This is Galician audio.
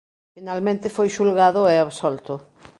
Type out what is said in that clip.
Finalmente foi xulgado e absolto.